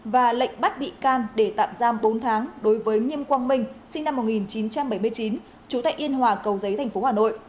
và lệnh bắt bị can để tạm giam bốn tháng đối với nghiêm quang minh sinh năm một nghìn chín trăm bảy mươi chín trú tại yên hòa cầu giấy tp hà nội